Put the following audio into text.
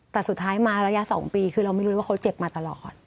แต่สุดท้ายมาระยะ๒ปีคือเราไม่รู้ว่าเขาเจ็บมาตลอด